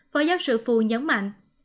phó giáo sư phu nhấn mạnh